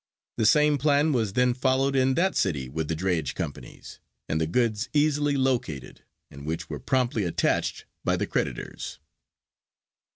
The same plan was then followed in that city with the drayage companies and the goods easily located, and which were promptly attached by the creditors.